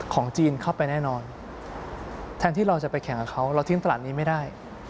ของจีนเข้าไปแน่นอนแทนที่เราจะไปแข่งกับเขาเราทิ้งตลาดนี้ไม่ได้